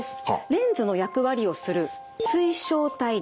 レンズの役割をする水晶体です。